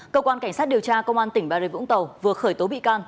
cơ quan cảnh sát điều tra công an tỉnh bà rê vũng tàu vừa khởi tố bị can